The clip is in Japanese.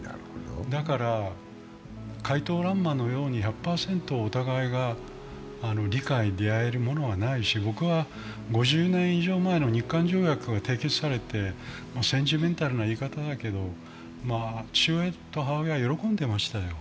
だから快刀乱麻のように１００％お互いが理解し合えるものはないし５０年以上前に日韓条約が締結されてセンチメンタルな言い方だけど、父親と母親は喜んでいましたよ。